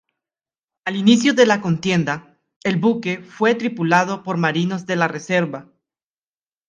Al inicio de la contienda, el buque fue tripulado por marinos de la reserva.